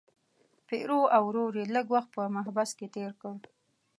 پیرو او ورور یې لږ وخت په محبس کې تیر کړ.